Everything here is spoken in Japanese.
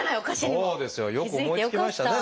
そうですよよく思いつきましたね